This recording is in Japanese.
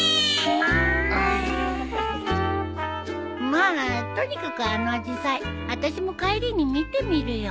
まぁとにかくあのアジサイあたしも帰りに見てみるよ。